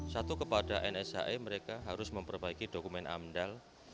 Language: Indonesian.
satu kepada nshe mereka harus memperbaiki dokumen amdal